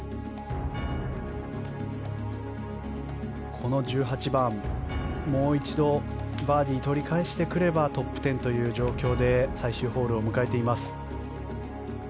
この１８番、もう一度バーディーを取り返してくればトップ１０という状況で最終ホールを迎えています。